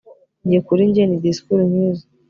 njye kuri njye ni disikuru nkizo